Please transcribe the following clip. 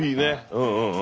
うんうん。